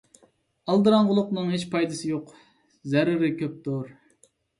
ئالدىراڭغۇلۇقنىڭ ھېچ پايدىسى يوق، زەرىرى كۆپتۇر.